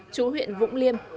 chú huyện vũng liêm